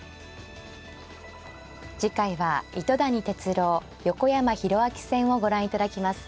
次回は糸谷哲郎横山泰明戦をご覧いただきます。